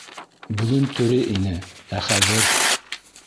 Бөгөн тере ине, ә хәҙер...